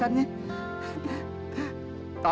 saatangle udah sabuk ya